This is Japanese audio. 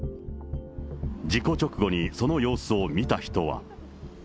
事故直後にその様子を見た人は。